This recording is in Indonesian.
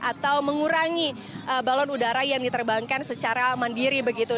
atau mengurangi balon udara yang diterbangkan secara mandiri begitu